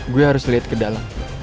gue harus lihat ke dalam